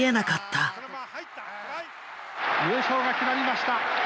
優勝が決まりました。